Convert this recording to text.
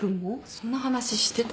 そんな話してた？